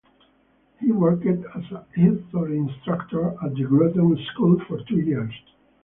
He worked as a history instructor at the Groton School for two years.